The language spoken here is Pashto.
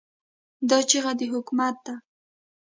دا چیغه د حکمت ده.